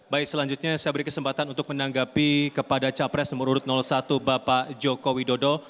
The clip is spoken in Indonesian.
baik selanjutnya saya beri kesempatan untuk menanggapi kepada capres nomor urut satu bapak joko widodo